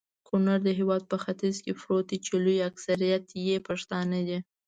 کونړ د هيواد په ختیځ کي پروت دي.چي لوي اکثريت يي پښتانه دي